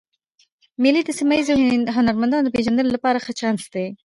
مېلې د سیمه ییزو هنرمندانو د پېژندلو له پاره ښه چانس دئ.